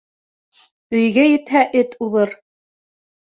Өйгә етһә, эт уҙыр.